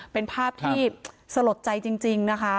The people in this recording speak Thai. เป็นภาพที่สลดใจจริงนะคะ